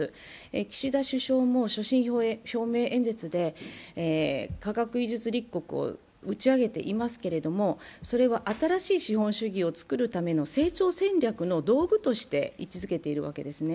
岸田首相も所信表明演説で科学技術立国を打ち上げていますけれどそれは新しい資本主義を作るための成長戦略の道具として位置づけているわけですね。